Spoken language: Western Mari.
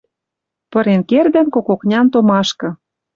Пырен кердӹн кок окнян томашкы